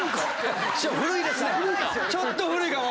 古いか⁉ちょっと古いかも。